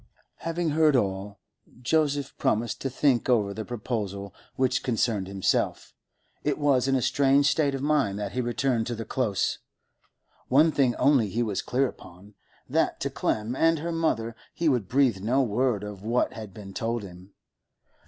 Having heard all, Joseph promised to think over the proposal which concerned himself. It was in a strange state of mind that he returned to the Close; one thing only he was clear upon, that to Clem and her mother he would breathe no word of what had been told him.